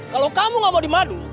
kalau kamu tidak mau dimadui